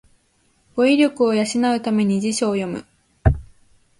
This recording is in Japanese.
語彙力を養うために辞書を読む